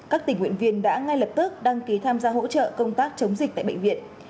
các tình nguyện viên đã ngay lập tức đăng ký tham gia hỗ trợ công tác chống dịch tại bệnh viện